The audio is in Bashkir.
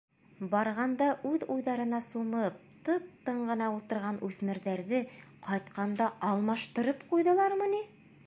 — Барғанда үҙ уйҙарына сумып, тып-тын ғына ултырған үҫмерҙәрҙе ҡайтҡанда алмаштырып ҡуйҙылармы ни!